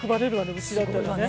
うちだったらね。